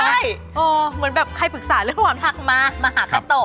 ไม่รู้นะโอ้เหมือนแบบใครปรึกษาเรื่องความทักมามาหาเจ้าโต